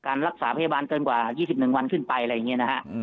การรักษาพยาบาลเกินกว่า๒๑วันขึ้นไป